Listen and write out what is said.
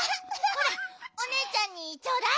ほらおねえちゃんにちょうだい。